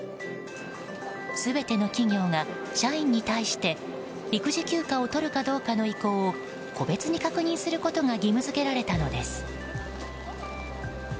全ての企業が、社員に対して育児休暇を取るかどうかの意向を個別に確認することが義務付けられたのです。